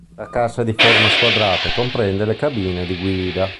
La cassa è di forma squadrata e comprende le cabine di guida.